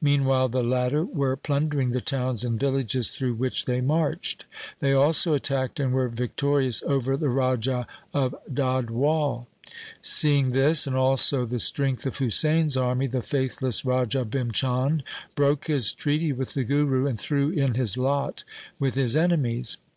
Meanwhile the latter were plundering the towns and villages through which they marched. They also attacked and were victori ous over the Raja of Dadhwal. Seeing this and also the strength of Husain' s army, the faithless Raja Bhim Chand broke his treaty with the Guru, and threw in his lot with his enemies.